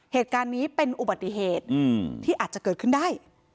เหตุการณ์นี้เป็นอุบัติเหตุที่อาจจะเกิดขึ้นได้